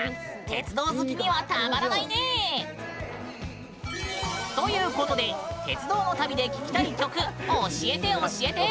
鉄道好きには、たまらないね！ということで鉄道の旅で聴きたい曲教えて教えて！